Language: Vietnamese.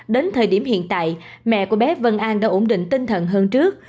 đến thời điểm hiện tại mẹ của bé vân an đã ổn định tinh thần hơn trước